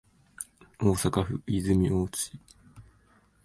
大阪府泉大津市